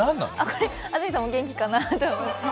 これ、安住さんも元気かなと思って。